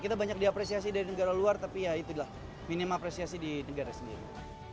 kita banyak diapresiasi dari negara luar tapi ya itulah minim apresiasi di negara sendiri